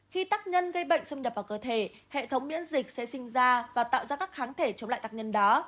khi tắc nhân gây bệnh xâm nhập vào cơ thể hệ thống miễn dịch sẽ sinh ra và tạo ra các kháng thể chống lại tác nhân đó